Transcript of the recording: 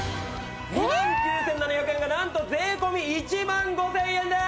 ２万９７００円がなんと税込１万５０００円です！